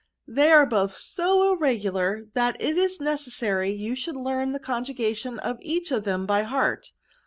They are both so irregular, that it is necessary you should learn the conjugation of each of them by heart.